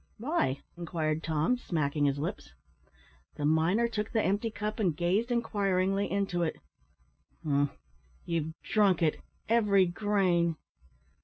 "Why!" inquired Tom, smacking his lips. The miner took the empty cup and gazed inquiringly into it. "Humph! you've drunk it, every grain."